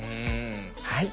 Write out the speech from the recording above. はい。